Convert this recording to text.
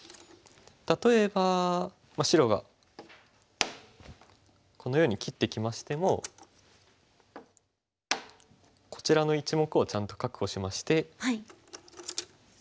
例えば白がこのように切ってきましてもこちらの一目をちゃんと確保しまして。